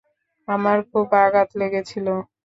আমার খুব আঘাত লেগেছিল।